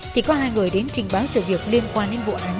thì có hai người đến trình báo sự việc liên quan đến vụ án